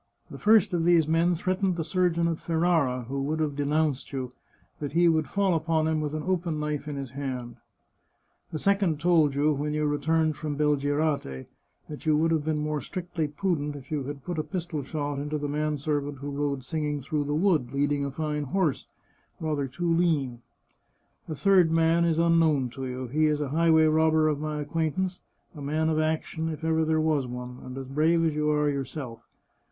The first of these men threatened the surgeon at Ferrara, who would have de nounced you, that he would fall upon him with an open knife in his hand ; the second told you, when you returned from Belgirate, that you would have been more strictly prudent if you had put a pistol shot into the man servant who rode singing through the wood, leading a fine horse, rather too lean. The third man is unknown to you ; he is a highway robber of my acquaintance, a man of action, if ever there was one, and as brave as you are yourself.